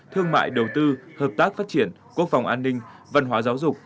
thương mại đầu tư hợp tác phát triển quốc phòng an ninh văn hóa giáo dục